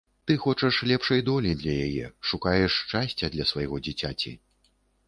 Ты хочаш лепшай долі для яе, шукаеш шчасця для свайго дзіцяці.